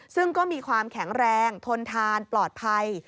ซึ่งก็มีความแข็งแรงทนทานปลอดภัย